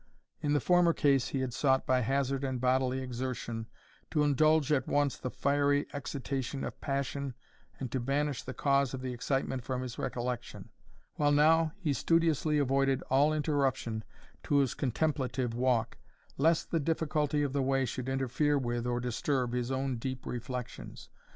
In the former case, he had sought by hazard and bodily exertion to indulge at once the fiery excitation of passion, and to banish the cause of the excitement from his recollection; while now he studiously avoided all interruption to his contemplative walk, lest the difficulty of the way should interfere with, or disturb, his own deep reflections.